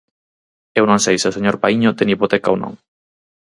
Eu non sei se o señor Paíño ten hipoteca ou non.